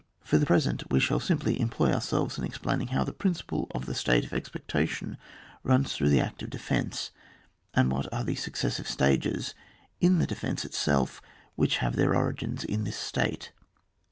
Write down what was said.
For the present we shall employ our selves in explaining how the principle of the state of expectation runs through the act of defence, and what are the succes sive stages in the defence itself which have their origin in this state.